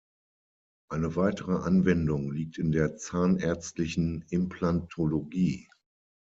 Eine weitere Anwendung liegt in der zahnärztlichen Implantologie.